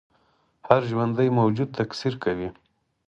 هر ژوندی موجود تکثیر کوي